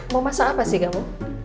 mau masak apa sih kamu